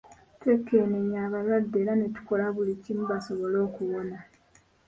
Twekenneenya abalwadde era ne tukola buli kimu basobole okuwona.